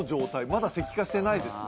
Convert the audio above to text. まだ石化してないですか